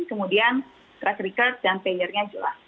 kemudian track record dan payernya jelas